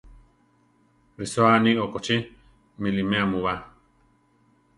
Risóa aní okochí! miʼlimea mu ba!